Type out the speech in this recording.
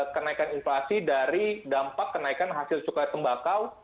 kenaikan inflasi dari dampak kenaikan hasil cukai tembakau